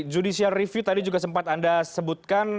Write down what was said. judicial review tadi juga sempat anda sebutkan